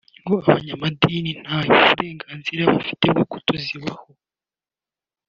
ngo abanyamadini nta burengazira bafite bwo kutazibaha